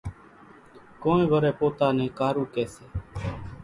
ڪونئين وريَ پوتا نين ڪارُو ڪيَ سي۔